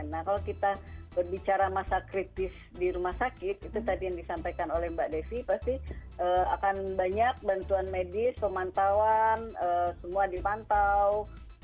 nah kalau kita berbicara masa kritis di rumah sakit itu tadi yang disampaikan oleh mbak devi pasti akan banyak bantuan medis pemantauan semua dipantau